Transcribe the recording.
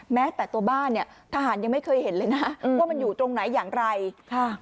แม้แต่ตัวบ้านเนี่ยทหารยังไม่เคยเห็นเลยนะว่ามันอยู่ตรงไหนอย่างไรค่ะ